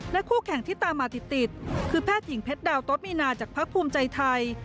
คู่แข่งที่ตามมาติดคือแพทย์หญิงเพชรดาวโต๊มีนาจากพักภูมิใจไทย